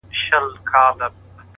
هره ورځ د ګټورو کارونو فرصت لري؛